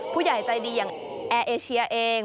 ผู้ใหญ่ใจดีอย่างแอร์เอเชียเอง